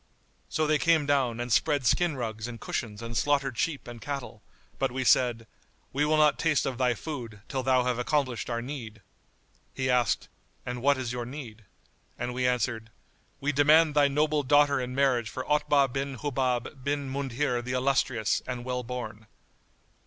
So they came down and spread skin rugs and cushions and slaughtered sheep and cattle; but we said, "We will not taste of thy food, till thou have accomplished our need." He asked, "And what is your need?"; and we answered, "We demand thy noble daughter in marriage for Otbah bin Hubab bin Mundhir the illustrious and well born."